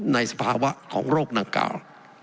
ในสภาวะของโรคนางกาว